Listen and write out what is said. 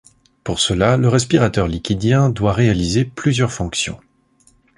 Pour cela, le respirateur liquidien doit réaliser plusieurs fonctions.